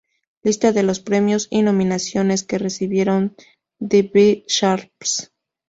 Lista de los premios y nominaciones que recibieron The Be Sharps.